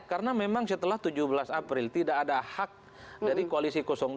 karena memang setelah tujuh belas april tidak ada hak dari koalisi dua